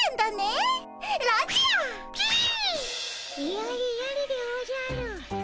・やれやれでおじゃる。